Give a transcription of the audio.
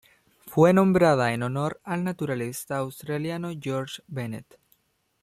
Fue nombrada en honor al naturalista australiano George Bennett.